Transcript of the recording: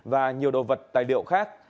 và nhiều đồ vật tài liệu khác